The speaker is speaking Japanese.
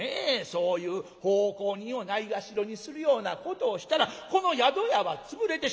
『そういう奉公人をないがしろにするようなことをしたらこの宿屋は潰れてしまう。